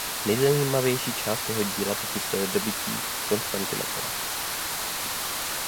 Nejzajímavější část jeho díla popisuje dobytí Konstantinopole.